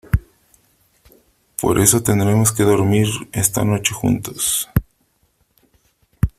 para eso tendremos que dormir esta noche juntos .